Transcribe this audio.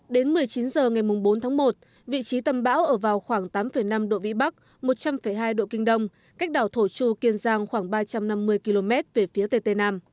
đến một mươi chín h ngày bốn tháng một vị trí tâm bão ở vào khoảng tám năm độ vĩ bắc một trăm linh hai độ kinh đông cách đảo thổ chu kiên giang khoảng ba trăm năm mươi km về phía tây tây nam